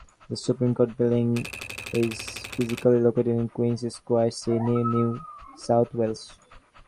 The Supreme Court building is physically located in Queen's Square, Sydney, New South Wales.